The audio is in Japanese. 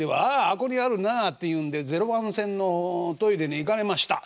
あっこにあるなあ」っていうんで０番線のトイレに行かれました。